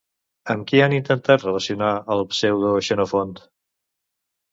Amb qui han intentat relacionar el Pseudo-Xenofont?